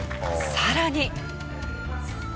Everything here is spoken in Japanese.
さらに。